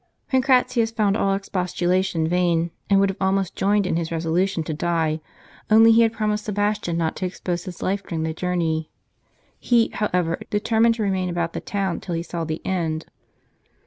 Pancratius found all expostulation vain, and would have almost joined him in his resolution to die; only he had promised Sebastian not to expose his life during the journey. He, however, determined to remain about the town till he saw the end.